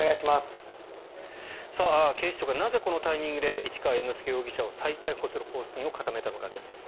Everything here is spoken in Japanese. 警視庁がなぜこのタイミングで市川猿之助容疑者を再逮捕する方針を固めたのかです。